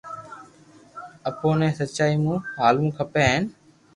اپو ني سچائي مون ھالووُ کپي ھين